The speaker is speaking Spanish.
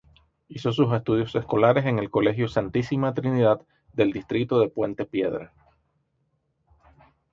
Hizo sus estudios escolares en el Colegio Santísima Trinidad del distrito de Puente Piedra.